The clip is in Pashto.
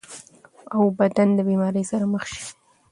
او بدن د بيمارۍ سره مخ شي -